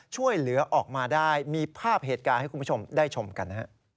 ช่วยเหลือออกมาได้มีภาพเหตุการณ์ให้คุณผู้ชมได้ชมกัน